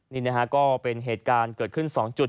นี่นะฮะก็เป็นเหตุการณ์เกิดขึ้น๒จุด